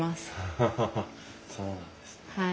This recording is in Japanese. ハハハそうなんですね。